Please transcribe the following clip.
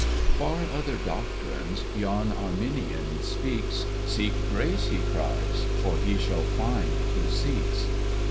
FAR other Doctrines yon Arminian speaks; "Seek Grace," he cries, "for he shall find who seeks."